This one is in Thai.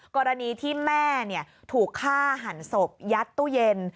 กรณีที่แม่ถูกฆ่าหันศพยัดตู้เย็น